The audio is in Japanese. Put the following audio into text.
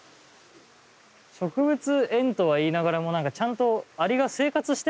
植物園とはいいながらも何かちゃんとアリが生活してますね